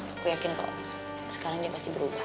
aku yakin kok sekarang dia pasti berubah